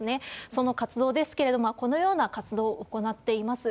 その活動ですけれども、このような活動を行っています。